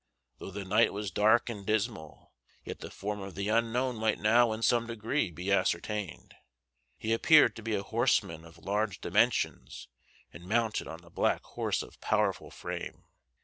Though the night was dark and dismal, yet the form of the unknown might now in some degree be ascertained. He appeared to be a horseman of large dimensions and mounted on a black horse of powerful frame.